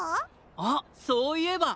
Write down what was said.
あっそういえば！